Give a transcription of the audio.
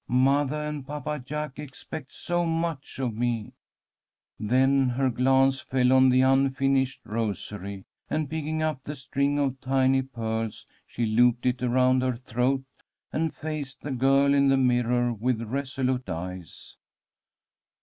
Mothah and Papa Jack expect so much of me." Then her glance fell on the unfinished rosary, and, picking up the string of tiny pearls, she looped it around her throat, and faced the girl in the mirror with resolute eyes.